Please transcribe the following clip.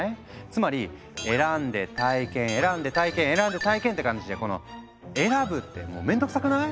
つまり「選んで体験」「選んで体験」「選んで体験」って感じでこの選ぶって面倒くさくない？